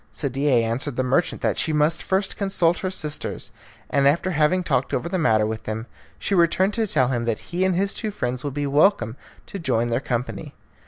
Sadie answered the merchant that she must first consult her sisters; and after having talked over the matter with them, she returned to tell him that he and his two friends would be welcome to join their company.